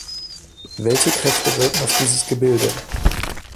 Welche Kräfte wirken auf dieses Gebilde?